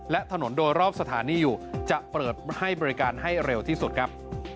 และถนนโดยรอบสถานีอยู่จะเปิดให้บริการให้เร็วที่สุดครับ